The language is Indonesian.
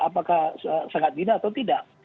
apakah sangat dina atau tidak